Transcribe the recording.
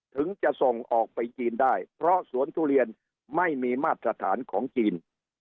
ถึงจะส่งออกไปจีนได้เพราะสวนทุเรียนไม่มีมาตรฐานของจีน